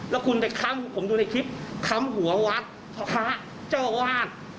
แล้วคุณไปค้ำผมดูในคลิปค้ำหัววัดพ่อค้าเจ้าวาด